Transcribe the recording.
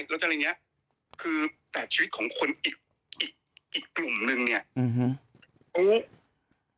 เราจะอะไรอย่างเงี้ยคือแบบชีวิตของคนอีกอีกกลุ่มหนึ่งเนี้ยอืม